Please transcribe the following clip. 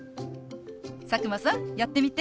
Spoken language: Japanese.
佐久間さんやってみて。